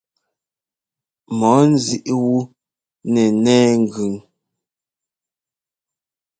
Mɔɔ nzíʼ wú nɛ́ nɛɛ ŋgʉn.